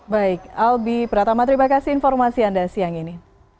baik albi pratama terima kasih informasi anda siang ini